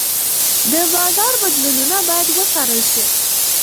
د بازار بدلونونه باید وڅارل شي.